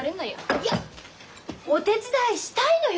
いやっお手伝いしたいのよ